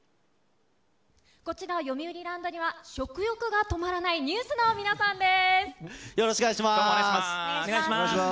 こちら、よみうりランドには、食欲が止まらないＮＥＷＳの皆さんです。